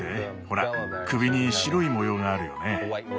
ほら首に白い模様があるよね。